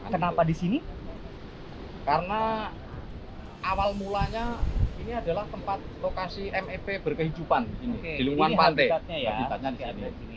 kenapa disini karena awal mulanya ini adalah tempat lokasi mep berkehidupan di lingkungan pantai